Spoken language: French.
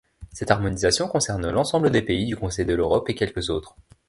Cette harmonisation concerne l'ensemble des pays du Conseil de l'Europe et quelques autres.